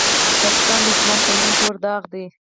پاکستان د اسلام په نوم تور داغ دی.